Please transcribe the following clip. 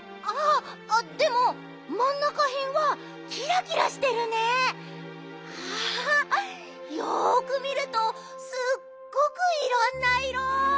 あっでもまんなかへんはキラキラしてるね！はよくみるとすっごくいろんないろ！